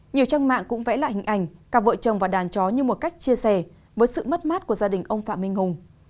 nhiều trang mạng cũng vẽ lại hình ảnh cặp vợ chồng và đàn chó như một cách chia sẻ với sự mất mát của gia đình ông phạm minh hùng